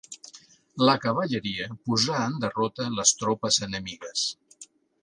La cavalleria posà en derrota les tropes enemigues.